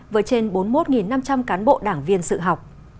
với trên bốn mươi một năm trăm linh cán bộ đảng viên sự học